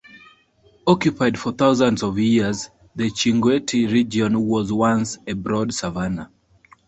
Occupied for thousands of years, the Chinguetti region was once a broad savannah.